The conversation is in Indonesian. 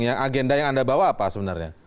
agenda yang anda bawa apa sebenarnya